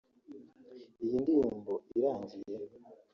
Iyi ndirimbo irangiye